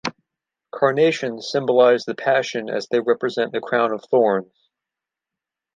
Carnations symbolize the passion as they represent the crown of thorns.